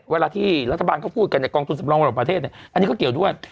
เวลาที่รัฐบาลเขาพูดกันเนี่ยกองทุนสำรองระหว่างประเทศอันนี้ก็เกี่ยวด้วย